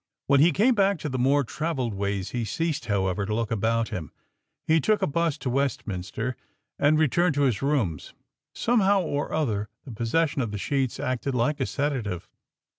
When he came back to the more travelled ways he ceased, however, to look about him. He took a 'bus to Westminster and returned to his rooms. Somehow or other, the possession of the sheets acted like a sedative.